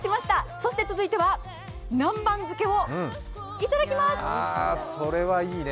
そして続いては南蛮漬けをいただきます。